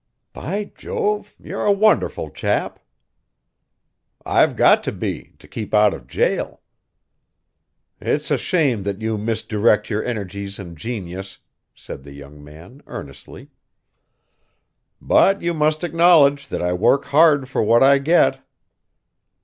"By jove, you're a wonderful chap!" "I've got to be to keep out of jail." "It's a shame that you misdirect your energies and genius," said the young man, earnestly. "But you must acknowledge that I work hard for what I get."